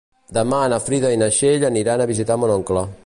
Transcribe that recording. Demà na Frida i na Txell aniran a visitar mon oncle.